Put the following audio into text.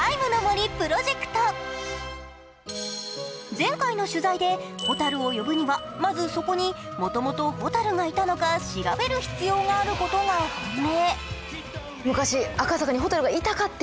前回の取材で、ホタルを呼ぶにはまずそこに、元々蛍がいたのか調べることが必要なことが判明。